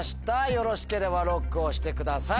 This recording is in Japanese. よろしければＬＯＣＫ押してください。